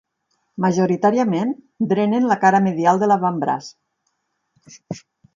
Majoritàriament, drenen la cara medial de l'avantbraç.